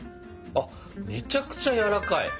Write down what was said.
あっめちゃくちゃやわらかい！ね。